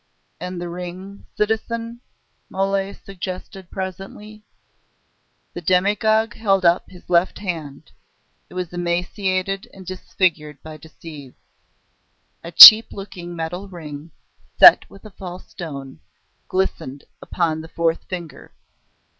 "And the ring, citizen?" Mole suggested presently. The demagogue held up his left hand it was emaciated and disfigured by disease. A cheap looking metal ring, set with a false stone, glistened upon the fourth finger.